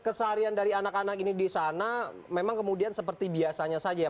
keseharian dari anak anak ini di sana memang kemudian seperti biasanya saja ya